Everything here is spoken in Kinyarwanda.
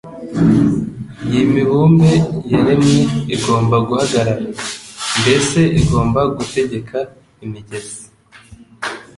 y’imibumbe yaremwe igomba guhagarara? Mbese igomba gutegeka imigezi